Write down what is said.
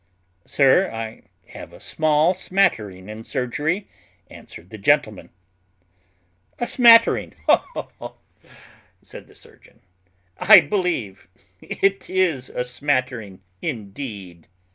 "Sir, I have a small smattering in surgery," answered the gentleman. "A smattering ho, ho, ho!" said the surgeon; "I believe it is a smattering indeed."